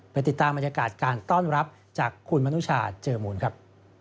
ติดตามบรรยากาศการต้อนรับจากคุณมนุชาเจอมูลครับ